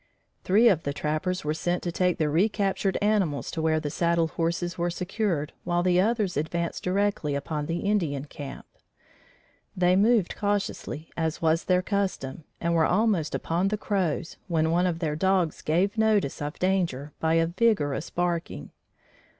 Three of the trappers were sent to take the recaptured animals to where the saddle horses were secured while the others advanced directly upon the Indian camp. They moved cautiously as was their custom and were almost upon the Crows, when one of their dogs gave notice of danger by a vigorous barking.